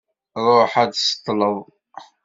Ṛuḥ ad d-tseṭṭleḍ.